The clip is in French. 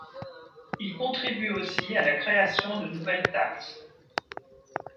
Il contribue aussi à la création de nouvelles taxes.